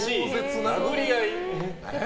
殴り合い？